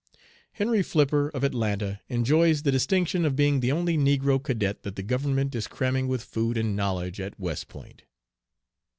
"Henry Flipper, of Atlanta, enjoys the distinction of being the only negro cadet that the government is cramming with food and knowledge at West Point.